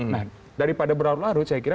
nah daripada berlarut larut saya kira